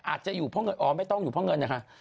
อาจจะอยู่เพราะเงินอ๋อไม่ต้องอยู่เพราะเงินนะคะ